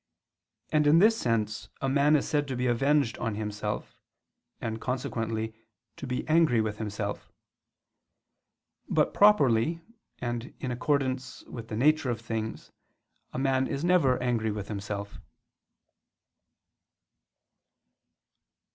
And in this sense a man is said to be avenged on himself, and consequently, to be angry with himself. But properly, and in accordance with the nature of things, a man is never angry with himself.